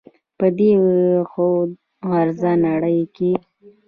په دې خود غرضه نړۍ کښې